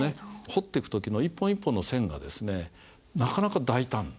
彫ってく時の一本一本の線がですねなかなか大胆。